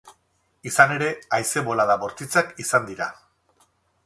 Izan ere, haize-bolada bortitzak izan dira.